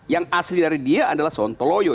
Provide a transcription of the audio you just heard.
yang asli dari dia adalah sontoloyo